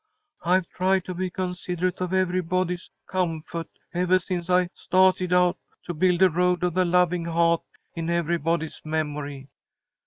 I've tried to be considerate of everybody's comfo't evah since I stah'ted out to build a road of the loving hah't in everybody's memory.